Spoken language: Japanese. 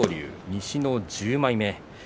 西の１０枚目です。